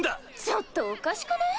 ちょっとおかしくね？